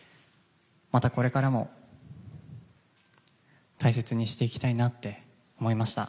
またこれからも大切にしていきたいなって思いました。